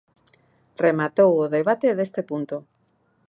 Rematou o debate deste punto.